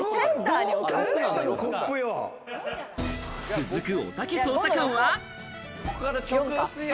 続くおたけ捜査官は？